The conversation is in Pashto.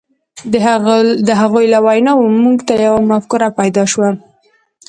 د هغوی له ویناوو موږ ته یوه مفکوره پیدا شوه.